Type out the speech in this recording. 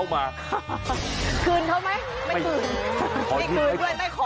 ไม่คืนด้วยไม่ขอด้วย